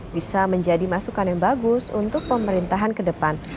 bisa menjadi masukan yang bagus untuk pemerintahan ke depan